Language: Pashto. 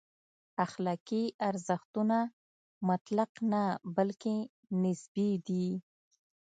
اخلاقي ارزښتونه مطلق نه، بلکې نسبي دي.